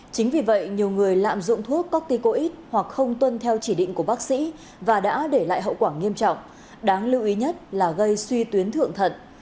chính vì vậy nhiều người lạm dụng thuốc corite hoặc không tuân theo chỉ định của bác sĩ và đã để lại hậu quả nghiêm trọng đáng lưu ý nhất là gây suy tuyến thượng thận